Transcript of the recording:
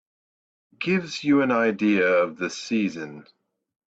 Gives you an idea of the season.